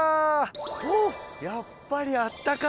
おおやっぱりあったかい。